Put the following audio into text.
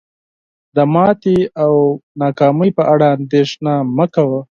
د ماتي او ناکامی په اړه اندیښنه مه کوه